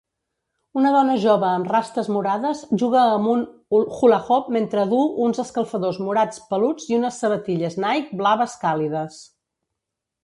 Una dona jove amb rastes morades juga amb un hula hoop mentre duu uns escalfadors morats peluts i unes sabatilles Nike blaves càlides.